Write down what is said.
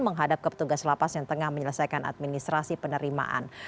menghadap ke petugas lapas yang tengah menyelesaikan administrasi penerimaan